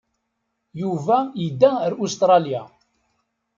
Yuba yedda ar Ustṛalya.